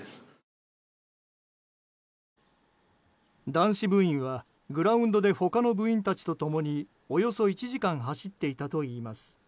男子部員はグラウンドで他の部員たちと共におよそ１時間走っていたといいます。